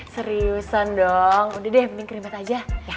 seriusan dong udah deh mending krim bat aja